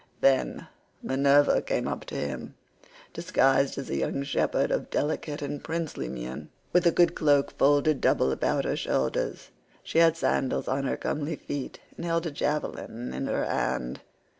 Then Minerva came up to him disguised as a young shepherd of delicate and princely mien, with a good cloak folded double about her shoulders; she had sandals on her comely feet and held a javelin in her hand.